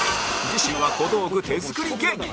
次週は小道具手作り芸人